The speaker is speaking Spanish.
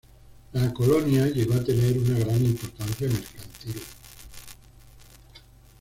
La colonia llegó a tener una gran importancia mercantil.